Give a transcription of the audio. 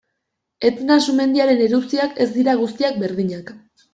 Etna sumendiaren erupzioak ez dira guztiak berdinak.